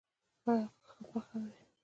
ایا غوښه ښه پخوئ؟